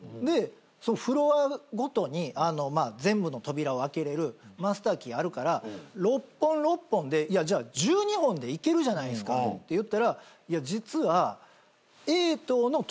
フロアごとに全部の扉を開けれるマスターキーあるから６本６本でいやじゃあ１２本でいけるじゃないですかって言ったらいや実はＡ棟の扉